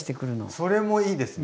それもいいですね。